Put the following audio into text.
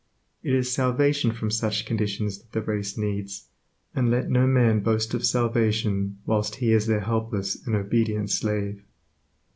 It is salvation from such conditions that the race needs, and let no man boast of salvation whilst he is their helpless and obedient slave.